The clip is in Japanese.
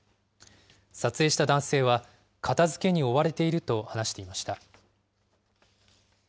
撮影した男性は、片づけに追われていると話していました。